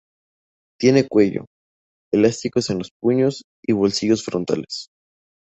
Tiene cuello, elásticos en los puños y bolsillos frontales.